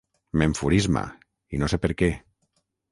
M'enfurisma, i no sé per què.